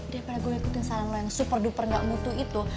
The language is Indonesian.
daripada gue ikutin saran lo yang super duper gak butuh itu